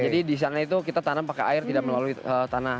jadi di sana itu kita tanam pakai air tidak melalui tanah